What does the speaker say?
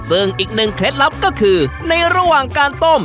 ซึ่งอีกหนึ่งเคล็ดลับก็คือในระหว่างการต้ม